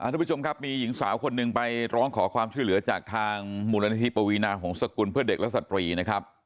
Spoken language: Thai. ทุกผู้ชมครับมีหญิงสาวคนหนึ่งไปร้องขอความช่วยเหลือจากทางมูลนิธิปวีนาหงษกุลเพื่อเด็กและสตรีนะครับ